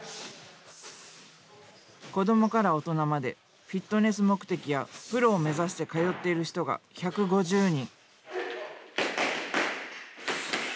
子供から大人までフィットネス目的やプロを目指して通っている人が１５０人。